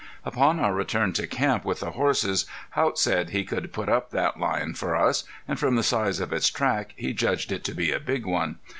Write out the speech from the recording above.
Upon our return to camp with the horses Haught said he could put up that lion for us, and from the size of its track he judged it to be a big one.